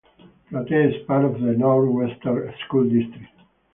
Platea is part of the Northwestern School District.